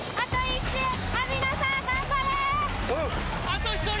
あと１人！